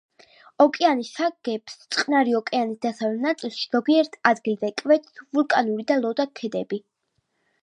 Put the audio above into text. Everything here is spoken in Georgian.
ოკეანის საგებს წყნარი ოკეანის დასავლეთ ნაწილში ზოგიერთ ადგილზე კვეთს ვულკანური და ლოდა ქედები.